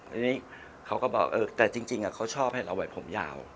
อันนี้เขาก็บอกแต่จริงเขาชอบให้เราไหวผมยาว